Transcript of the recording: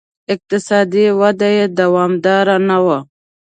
اقتصادي وده یې دوامداره نه وه